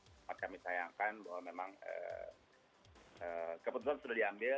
dapat kami sayangkan bahwa memang keputusan sudah diambil